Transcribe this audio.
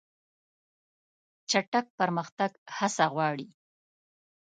چټک پرمختګ هڅه غواړي.